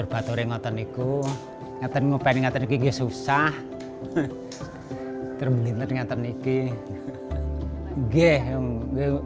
saya ingin mengatakan bahwa saya susah terbenar mengatakan ini